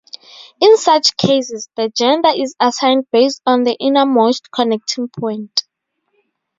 In such cases, the gender is assigned based on the "innermost" connecting point.